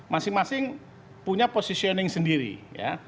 masing masing punya positioning sendiri ya